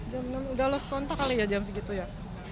jam enam udah lost kontak kali ya jam segitu ya